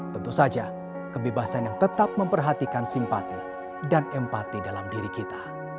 tentu saja kebebasan yang tetap memperhatikan simpati dan empati dalam diri kita